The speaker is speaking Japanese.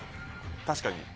確かに。